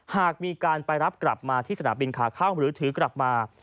หากมีการไปรับกลับมาที่สนามบินขาเข้าหรือถือกลับมา